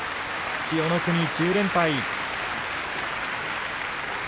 千代の国、１０連敗。